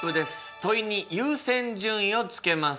問いに優先順位をつけます。